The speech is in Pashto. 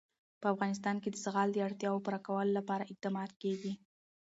په افغانستان کې د زغال د اړتیاوو پوره کولو لپاره اقدامات کېږي.